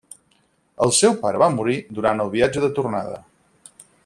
El seu pare va morir durant el viatge de tornada.